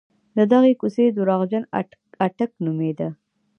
د دغې کوڅې درواغجن اټک نومېده.